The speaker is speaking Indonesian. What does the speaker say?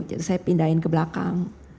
jadi saya pindahin ke belakang